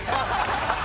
ハハハハ！